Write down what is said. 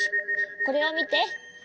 これをみて。